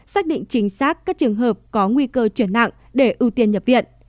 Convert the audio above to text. xác định chính xác các trường hợp có nguy cơ chuyển nặng để ưu tiên nhập viện